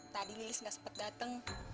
tadi lilis gak sempat datang